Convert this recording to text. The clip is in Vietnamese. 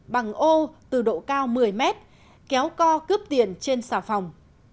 bằng ô từ độ cao một mươi mét kéo co cướp tiền trên xà phòng